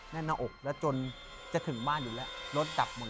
แน่นะอกจนจะถึงบ้านอยู่แล้วรถกลับหมดเลย